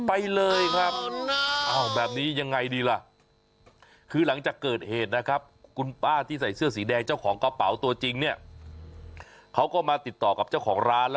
อะไรนะครับเหรอ